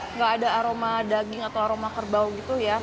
nggak ada aroma daging atau aroma kerbau gitu ya